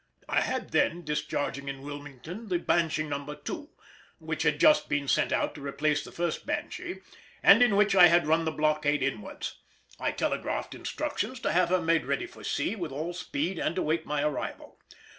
I had then, discharging in Wilmington, the Banshee No. 2, which had just been sent out to replace the first Banshee, and in which I had run the blockade inwards. I telegraphed instructions to have her made ready for sea with all speed and await my arrival.